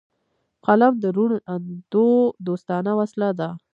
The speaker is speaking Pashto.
قلم د روڼ اندو دوستانه وسله ده